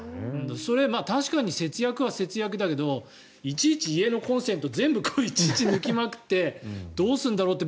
確かに節約は節約だけどいちいち家のコンセントいちいち抜きまくってどうすんだろうって